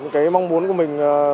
cái mong muốn của mình